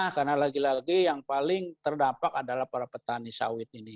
karena lagi lagi yang paling terdampak adalah para petani sawit ini